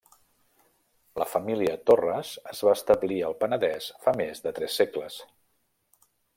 La família Torres es va establir al Penedès fa més de tres segles.